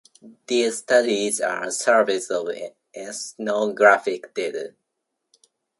These studies are surveys of ethnographic data.